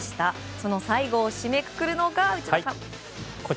その最後を締めくくるのが内田さん。